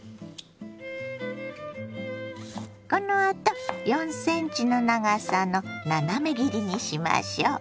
このあと４ｃｍの長さの斜め切りにしましょ。